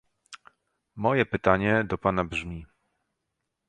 Moje pytanie do pana brzmi